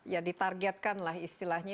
ya ditargetkan lah istilahnya